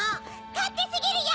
かってすぎるよ！